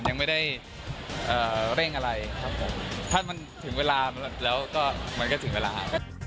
ยังไม่ได้เร่งอะไรครับถ้ามันถึงเวลามันก็ถึงเวลา